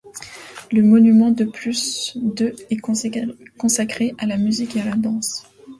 Le monument de plus de est consacré à la musique et à la danse.